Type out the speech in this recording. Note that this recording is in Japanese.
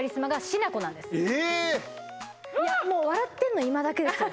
えっ笑ってんの今だけですよ